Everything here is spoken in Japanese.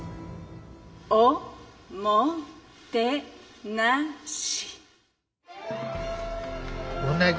お・も・て・な・し。